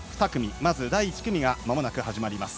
まず第１組がまもなく始まります。